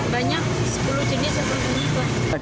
banyak sepuluh jenis sepuluh jenis